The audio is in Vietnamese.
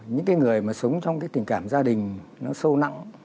những cái người mà sống trong cái tình cảm gia đình nó sâu nặng